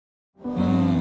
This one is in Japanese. うん。